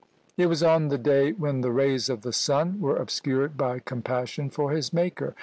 "It was on the day when the rays of the sun were obscured by compassion for his Maker."